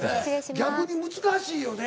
逆に難しいよね。